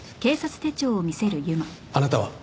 あなたは？